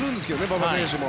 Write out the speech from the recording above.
馬場選手も。